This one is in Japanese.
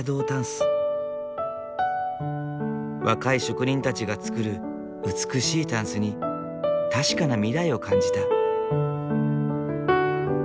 若い職人たちが作る美しい箪笥に確かな未来を感じた。